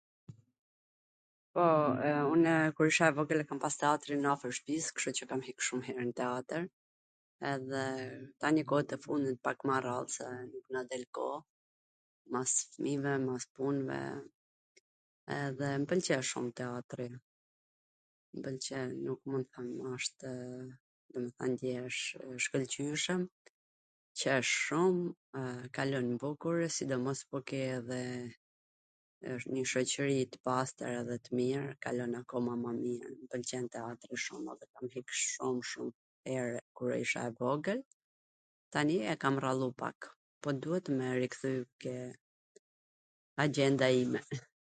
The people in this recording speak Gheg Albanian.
Po, unw kur isha e vogwl e kam pas teatrin afwr shpis, kshtu qw kam hik shum her n teatwr, edhe tani kohwt e fundit pak ma rrall, se nuk na del koha, mas fmijve, mas punve, edhe m pwlqen shum teatri, m pwlqen, nuk mund ta ndjesh, wshtw, wsht i shkwlqyshwm, qesh shum, kalon bukur, sidomos po ke edhe njw shoqri t pastwr dhe t mir, kalon akoma ma mir, m pwlqen teatri, kam ik shum herw kur isha e vogwl, tani e kam rrallu pak, po duhet me rikthy ke agjenda ime.